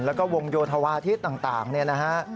แล้วก็วงโยธวาทิศต่างเนี่ยนะฮะ